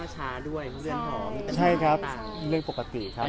ใช่ครับเรื่องปกติครับ